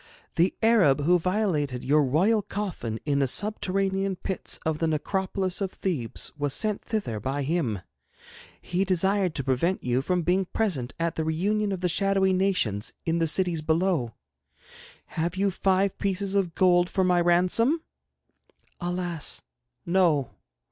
The Arab who violated your royal coffin in the subterranean pits of the necropolis of Thebes was sent thither by him. He desired to prevent you from being present at the reunion of the shadowy nations in the cities below. Have you five pieces of gold for my ransom?' 'Alas, no!